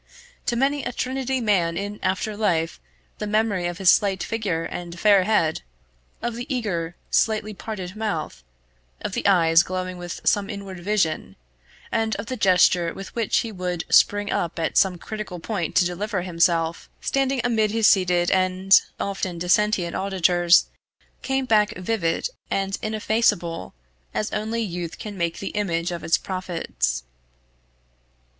To many a Trinity man in after life the memory of his slight figure and fair head, of the eager slightly parted mouth, of the eyes glowing with some inward vision, and of the gesture with which he would spring up at some critical point to deliver himself, standing amid his seated and often dissentient auditors, came back vivid and ineffaceable as only youth can make the image of its prophets.